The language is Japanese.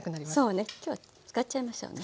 そうね今日は使っちゃいましょうね。